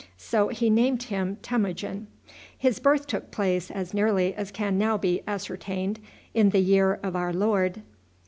So he named him Temujin.[B] His birth took place, as nearly as can now be ascertained, in the year of our Lord 1163.